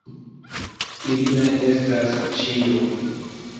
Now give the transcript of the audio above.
Ili ne estas ĉio.